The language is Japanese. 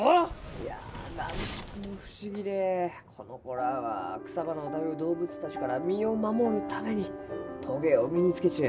・いやなんとも不思議でこの子らは草花を食べる動物たちから身を守るためにトゲを身につけちゅう。